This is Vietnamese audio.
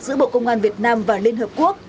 giữa bộ công an việt nam và liên hợp quốc